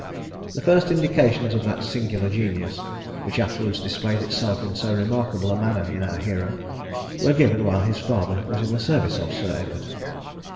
The first indications of that singular genius which afterwards displayed itself in so remarkable a manner in our hero, were given while his father was in the service of Sir Edward.